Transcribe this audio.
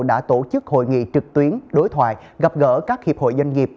đã tổ chức hội nghị trực tuyến đối thoại gặp gỡ các hiệp hội doanh nghiệp